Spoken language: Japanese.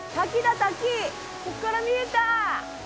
ここから見えた！